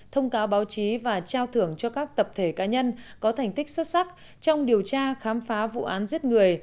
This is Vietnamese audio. thông cáo báo chí và trao thưởng cho các tập thể cá nhân có thành tích xuất sắc trong điều tra khám phá vụ án giết người